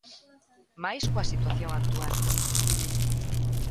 Máis coa situación actual.